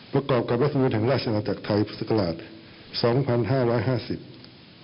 ประกอบกับรัฐมือนรัชอันตัวจากไทยพุทธศักราช๒๕๕๐